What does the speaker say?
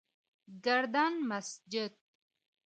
گردن مسجد: